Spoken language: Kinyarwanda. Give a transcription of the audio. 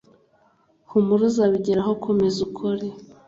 humura uzbijyeraho komeza ukore